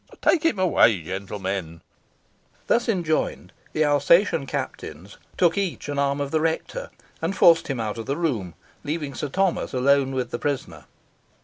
Take him away, gentlemen." Thus enjoined, the Alsatian captains took each an arm of the rector, and forced him out of the room, leaving Sir Thomas alone with the prisoner.